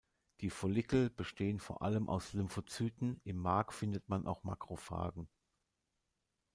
Die Follikel bestehen vor allem aus Lymphozyten, im Mark findet man auch Makrophagen.